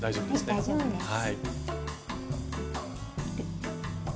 はい大丈夫です。